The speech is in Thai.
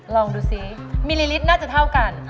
ลองดูซิมิลลิลิตรน่าจะเท่ากัน